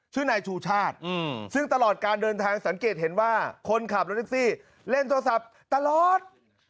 ชื่อนายชูชาติซึ่งตลอดการเดินทางสังเกตเห็นว่าคนขับรถแท็กซี่เล่นโทรศัพท์ตลอด